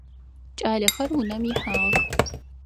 Кӏалэхэр унэм ихьагъэх.